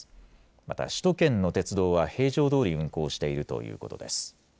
また、首都圏の鉄道は平常どおり運行しているということです。